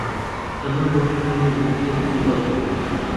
ئەمە بۆچوونی منە، نەک هی ئەو.